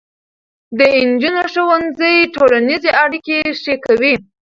د نجونو ښوونځي ټولنیزې اړیکې ښې کوي.